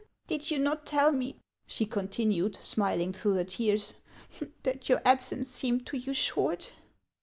" Did you not tell me," she continued, smiling through her tears, "that your absence seemed to you short?"